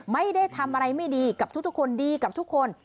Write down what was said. ไม่ได้ทำอะไรไม่ดีกับทุกคนดีกับทุกคน